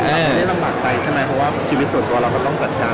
ไม่ได้ลำบากใจใช่ไหมเพราะว่าชีวิตส่วนตัวเราก็ต้องจัดการ